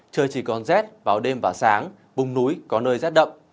trời chỉ còn rét vào đêm và sáng bùng núi có nơi rét đậm